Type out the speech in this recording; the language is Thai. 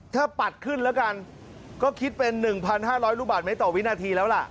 ถ้าปัดขึ้นแล้วกันก็คิดเป็น๑๕๐๐ลูกบาทเมตรต่อวินาทีแล้วล่ะ